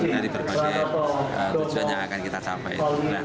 jadi berbagai tujuannya akan kita capai